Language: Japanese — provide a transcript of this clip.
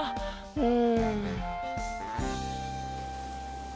うん。